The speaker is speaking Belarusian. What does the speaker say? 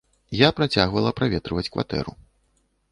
Я працягвала праветрываць кватэру.